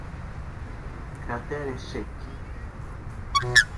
Cratere Secchi